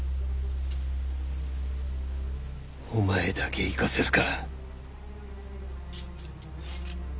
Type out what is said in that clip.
お前だけ行かせるか。